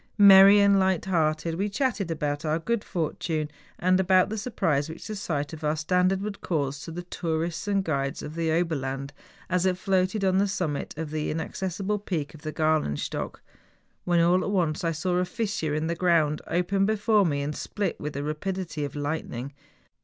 Merry and light¬ hearted we chatted about our good fortune, and about the surprise which the sight of our standard would cause to the tourists and guides of the Ober land, as it floated on the summit of the inaccessible peak of the Gralenstock, when, all at once, I saw a fissure in the ground open before me and split with the rapidity of lightning.